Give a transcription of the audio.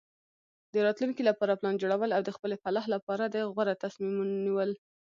د راتلونکي لپاره پلان جوړول او د خپلې فلاح لپاره د غوره تصمیمونو نیول.